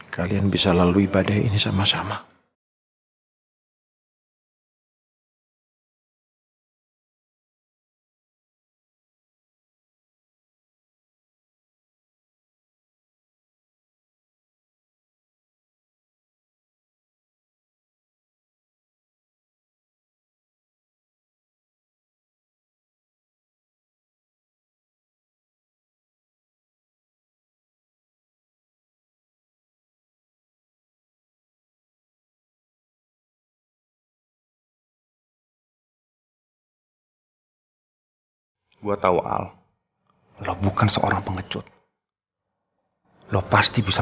kalian bisa lalu ibadah ini sama sama